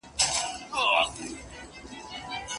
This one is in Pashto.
وَفَرِّقْ بَيْنَنَا إِذَا فَرَّقْتَ إِلَى خَيْرٍ.